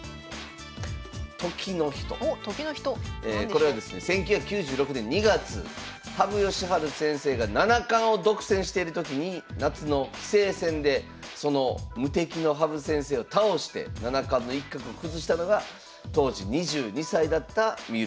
これはですね１９９６年２月羽生善治先生が七冠を独占してる時に夏の棋聖戦でその無敵の羽生先生を倒して七冠の一角を崩したのが当時２２歳だった三浦先生でございます。